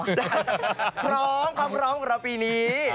พร้อมความพร้อมของเราปีนี้